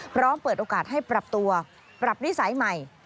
เปิดโอกาสให้ปรับตัวปรับนิสัยใหม่